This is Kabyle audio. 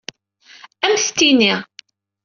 Ad am-t-tini.